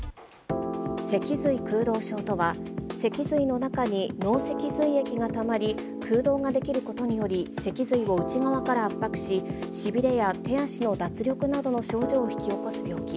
脊髄空洞症とは、脊髄の中に脳脊髄液がたまり、空洞が出来ることにより、脊髄を内側から圧迫し、しびれや手足の脱力などの症状を引き起こす病気。